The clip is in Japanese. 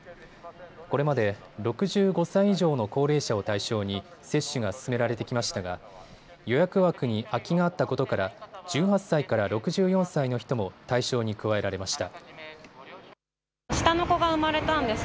これまで６５歳以上の高齢者を対象に接種が進められてきましたが予約枠に空きがあったことから１８歳から６４歳の人も対象に加えられました。